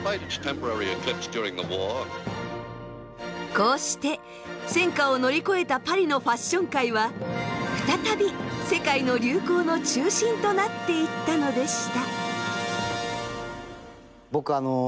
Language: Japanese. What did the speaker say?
こうして戦禍を乗り越えたパリのファッション界は再び世界の流行の中心となっていったのでした。